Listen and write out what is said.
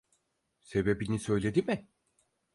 Sebebini söyledi mi?